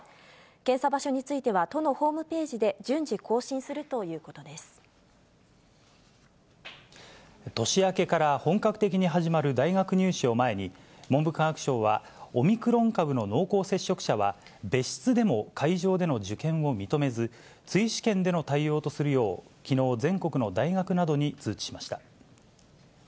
検査場所については都のホームページで、順次更新するということ年明けから本格的に始まる大学入試を前に、文部科学省は、オミクロン株の濃厚接触者は、別室でも会場での受験を認めず、追試験での対応とするよう、きのう、全国の大学などに通知しました。